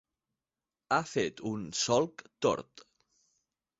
Ha fet un solc tort.